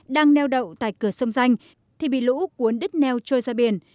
đang neo đậu tại cửa sông danh thì bị lũ cuốn đứt neo trôi ra biển